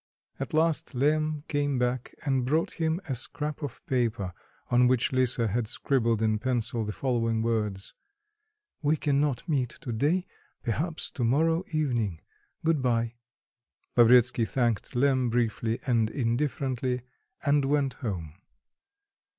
At last Lemm came back and brought him a scrap of paper, on which Lisa had scribbled in pencil the following words: "We cannot meet to day; perhaps, to morrow evening. Good bye." Lavretsky thanked Lemm briefly and indifferently, and went home.